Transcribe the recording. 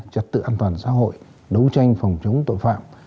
trật tự an toàn xã hội đấu tranh phòng chống tội phạm